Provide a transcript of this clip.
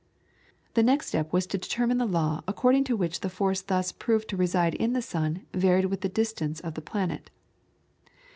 The next step was to determine the law according to which the force thus proved to reside in the sun varied with the distance of the planet.